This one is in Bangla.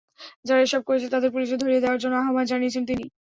যারা এসব করছে, তাদের পুলিশে ধরিয়ে দেওয়ার জন্য আহ্বান জানিয়েছেন তিনি।